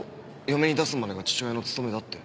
嫁に出すまでが父親の務めだって。